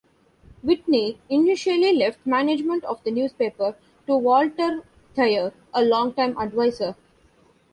Whitney initially left management of the newspaper to Walter Thayer, a longtime advisor.